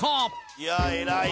いや偉い